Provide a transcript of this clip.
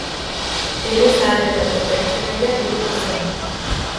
Ele zaharretako pertsonaia bihurtu zen.